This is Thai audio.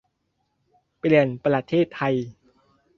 'เปลี่ยนประเทศไทย'